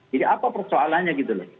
jadi apa persoalannya gitu loh